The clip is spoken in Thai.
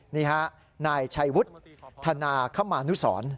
นี่ฮะนายชัยวุฒิธนาคมานุสร